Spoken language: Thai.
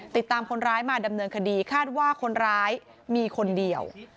ติดตามคนร้ายมาดำเนินคดีคาดว่าคนร้ายมีคนเดียว